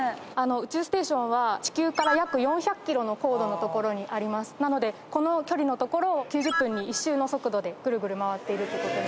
宇宙ステーションは地球から約４００ｋｍの高度のところにありますなのでこの距離のところを９０分に一周の速度でグルグル回っているってことです